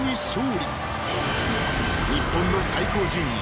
［日本の最高順位